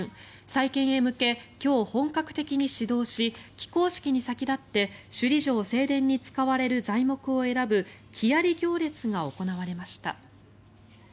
再建へ向け今日本格的に始動し起工式に先立って首里城正殿に使われる材木を選ぶ木遣行列が行われました。